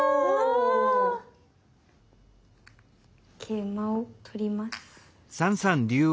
桂馬を取ります。